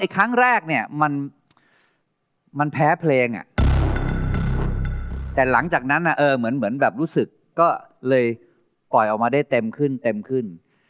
ครั้งแรกเนี่ยมันแพ้เพลงแต่หลังจากนั้นเหมือนแบบรู้สึกก็เลยปล่อยออกมาได้เต็มขึ้นเต็มขึ้น